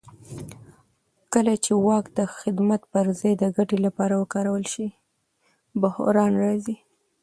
کله چې واک د خدمت پر ځای د ګټې لپاره وکارول شي بحران راځي